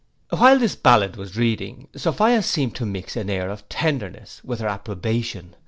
While this ballad was reading, Sophia seemed to mix an air of tenderness with her approbation.